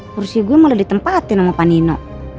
kursi gue mulai ditempatin sama pak nino